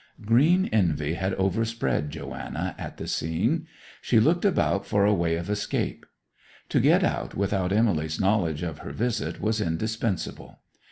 Green envy had overspread Joanna at the scene. She looked about for a way of escape. To get out without Emily's knowledge of her visit was indispensable.